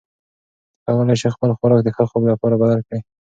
ته کولی شې خپل خوراک د ښه خوب لپاره بدل کړې.